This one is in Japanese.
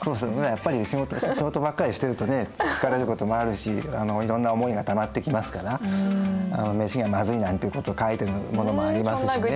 やっぱり仕事ばっかりしてるとね疲れることもあるしいろんな思いがたまってきますから「飯がまずい」なんていうことを書いてるものもありますし。